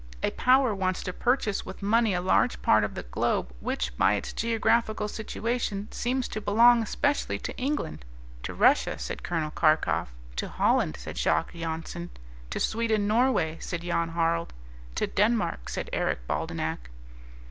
"A power wants to purchase with money a large part of the globe which, by its geographical situation, seems to belong especially to England" "to Russia," said Col. Karkof; "to Holland," said Jacques Jansen; "to Sweden Norway," said Jan Harald; "to Denmark," said Eric Baldenak.